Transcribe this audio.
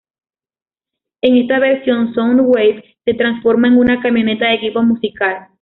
En esta versión Soundwave se transforma en una camioneta de equipo musical.